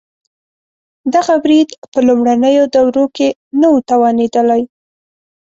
دغه برید په لومړنیو دورو کې نه و توانېدلی.